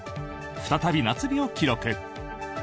再び夏日を記録。